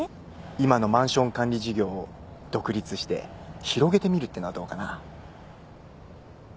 今のマンション管理事業を独立して広げてみるってのはどうかな？